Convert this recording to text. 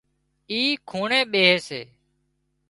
اِي کونڻي ٻيهي سي